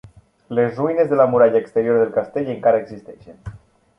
Les ruïnes de la muralla exterior del castell encara existeixen.